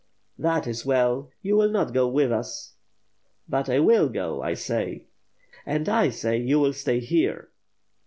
"That is well, you will not go with us." "But I will go, I say." "And I say you will stay here."